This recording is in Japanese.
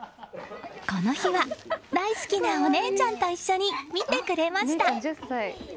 この日は大好きなお姉ちゃんと一緒に見てくれました。